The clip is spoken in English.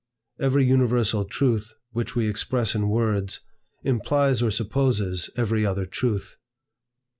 Every universal truth which we express in words, implies or supposes every other truth.